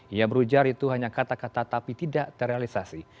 ia berujar itu hanya kata kata tapi tidak terrealisasi